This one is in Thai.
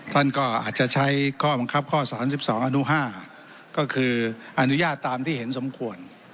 ท่านก็อาจจะใช้ข้อบังคับข้อ๓๒อนุ๕ก็คืออนุญาตตามที่เห็นสมควร